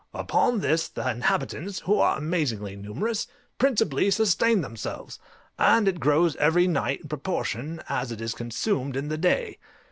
Upon this the inhabitants, who are amazingly numerous, principally sustain themselves, and it grows every night in proportion as it is consumed in the day.